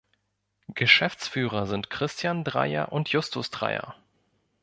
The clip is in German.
Geschäftsführer sind Christian Dreyer und Justus Dreyer.